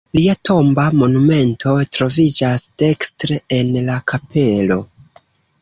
Lia tomba monumento troviĝas dekstre en la kapelo.